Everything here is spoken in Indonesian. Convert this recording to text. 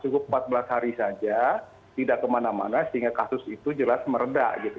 cukup empat belas hari saja tidak kemana mana sehingga kasus itu jelas meredah gitu